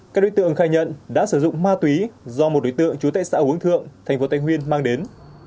các đối tượng khai nhận đã sử dụng ma túy do một đối tượng chú tệ xã hướng thượng thành phố tây nguyên mang đến